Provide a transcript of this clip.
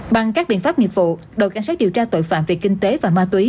bằng các biện pháp nghiệp vụ đội cảnh sát điều tra tội phạm về kinh tế và ma túy